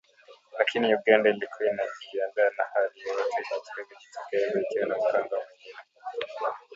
Lakini Uganda ilikuwa inajiandaa na hali yoyote yenye itakayojitokeza ikiwa na mpango mwingine .